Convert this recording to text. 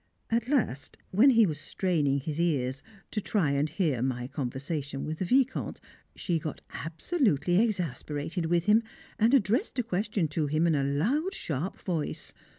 At last when he was straining his ears to try and hear my conversation with the Vicomte, she got absolutely exasperated with him, and addressed a question to him in a loud, sharp voice.